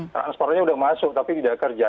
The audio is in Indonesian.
transportnya udah masuk tapi tidak kerja